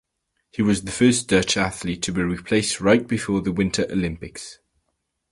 He was the first Dutch athlete to be replaced right before the Winter Olympics.